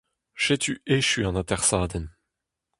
Setu echu an atersadenn.